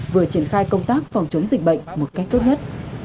vừa triển khai công tác phòng chống dịch bệnh một cách tốt nhất